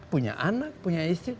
punya anak punya istri